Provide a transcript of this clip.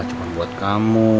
cuma buat kamu